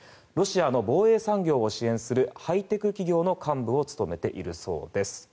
ロシアの防衛産業を支援するハイテク企業の幹部を務めているそうです。